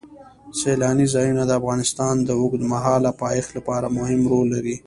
سیلانی ځایونه د افغانستان د اوږدمهاله پایښت لپاره مهم رول لري.